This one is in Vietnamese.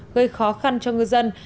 gây khó khăn cho ngư dân